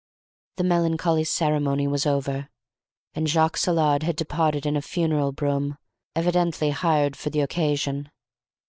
The melancholy ceremony was over, and Jacques Saillard had departed in a funeral brougham, evidently hired for the occasion.